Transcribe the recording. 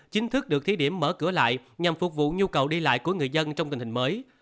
chính thức được thí điểm mở cửa lại nhằm phục vụ nhu cầu đi lại của người dân trong tình hình mới